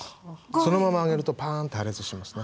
そのまま揚げるとパーンッて破裂しますね。